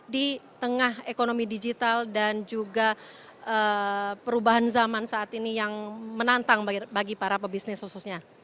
di tengah ekonomi digital dan juga perubahan zaman saat ini yang menantang bagi para pebisnis khususnya